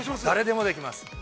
誰でもできます。